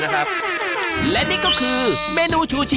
กะเพราทอดไว้